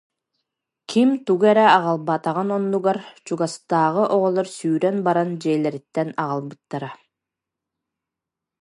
Ким тугу эрэ аҕалбатаҕын оннугар чугастааҕы оҕолор сүүрэн баран дьиэлэриттэн аҕалбыттара